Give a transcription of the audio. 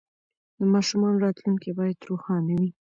د ماشومانو راتلونکې باید روښانه وي.